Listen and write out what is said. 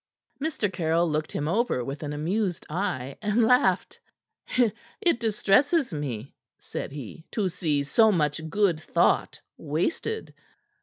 Mr. Caryll looked him over with an amused eye, and laughed. "It distresses me," said he, "to see so much good thought wasted."